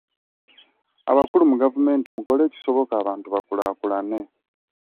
Abakulu mu gavumenti mukole ekisoboka abantu bakulaakulane.